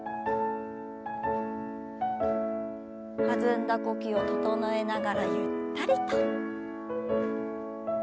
弾んだ呼吸を整えながらゆったりと。